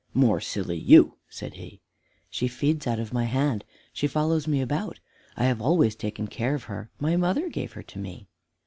"More silly you," said he. "She feeds out of my hand, she follows me about; I have always taken care of her; my mother gave her to me."